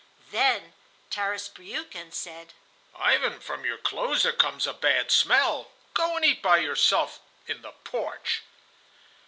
Then Tarras Briukhan said: "Ivan, from your clothes there comes a bad smell; go and eat by yourself in the porch."